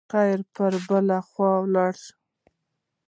خبرې پر بل خوا لاړې.